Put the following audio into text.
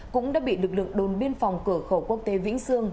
cũng đã bị lực lượng đồn biên phòng cửa khẩu quốc tế vĩnh sương